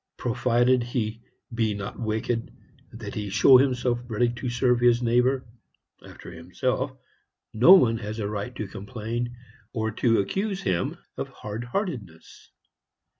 Provided he be not wicked, and that he show himself ready to serve his neighbor after himself no one has a right to complain, or to accuse him of hard heartedness.